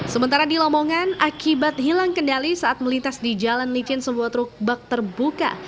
sementara di lamongan akibat hilang kendali saat melintas di jalan licin sebuah truk bak terbuka